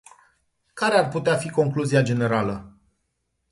Care ar putea fi concluzia generală?